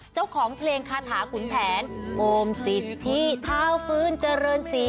เจ้าของเพลงคาถาขุนแผนโอมสิทธิเท้าฟื้นเจริญศรี